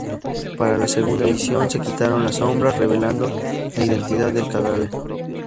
Para la segunda edición se quitaron las sombras, revelando la identidad del cadáver.